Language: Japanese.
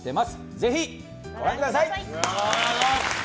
ぜひご覧ください。